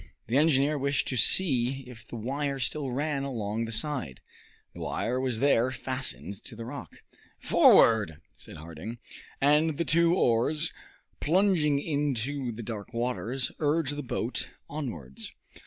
The engineer wished to see if the wire still ran along the side. The wire was there fastened to the rock. "Forward!" said Harding. And the two oars, plunging into the dark waters, urged the boat onwards.